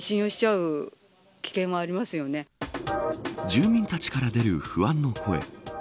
住民たちから出る不安の声。